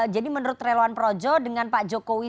jadi menurut relawan projo dengan pak jokowi